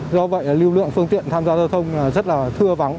do vậy lưu lượng phương tiện tham gia giao thông rất là thưa vắng